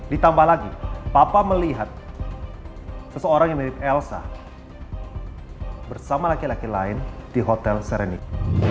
ditambah lagi papa melihat seseorang yang mirip elsa bersama laki laki lain di hotel serenic